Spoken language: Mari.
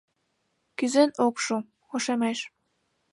Кӱзен ок шу — ошемеш;